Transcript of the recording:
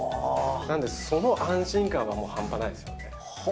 なのでその安心感はもう半端ないですよね。